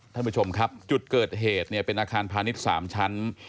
ท่านผู้ชมครับจุดเกิดเหตุเนี่ยเป็นอาคารพาณิชย์๓ชั้น